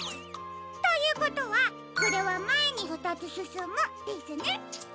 ということはこれはまえにふたつすすむですね。